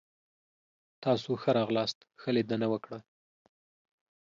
تاسو ښه راغلاست. ښه لیدنه وکړه!